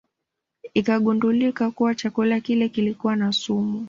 Ikagundulika kuwa chakula kile kilikuwa na sumu